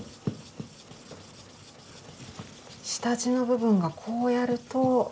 下地の部分がこうやると見えてくる。